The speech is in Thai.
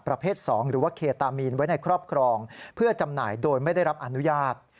ประเภท๒หรือว่าเคตามีนไว้ในครอบครองเพื่อจำหน่ายโดยไม่ได้รับอนุญาต